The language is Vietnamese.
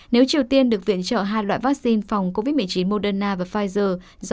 nếu triều tiên được viện trợ hai loại vaccine phòng covid một mươi chín moderna và pfizer do mỹ phát triển